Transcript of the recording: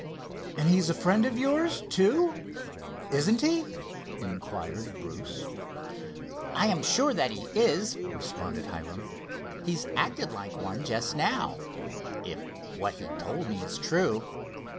"And he's a friend of yours, too; isn't he?" inquired Bruce. "I am sure that he is," responded Hiram. "He's acted like one just now, if what he told me is true.